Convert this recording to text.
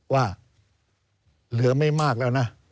ว่าเหลือไม่มากแล้วนะ